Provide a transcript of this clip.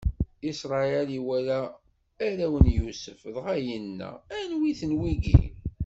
Isṛayil iwala arraw n Yusef, dɣa yenna: Anwi-ten wigi?